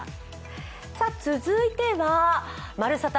続いては、「＃まるサタ！